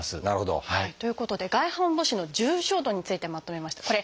なるほど。ということで外反母趾の重症度についてまとめました。